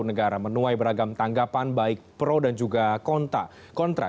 negara menuai beragam tanggapan baik pro dan juga kontra